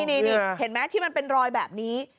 นี่เห็นไหมที่มันเป็นรอยแบบนี้